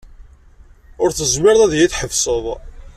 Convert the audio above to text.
Ur tezmireḍ ad iyi-tḥebseḍ.